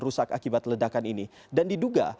rusak akibat ledakan ini dan diduga